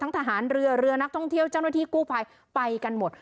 ทหารเรือเรือนักท่องเที่ยวเจ้าหน้าที่กู้ภัยไปกันหมด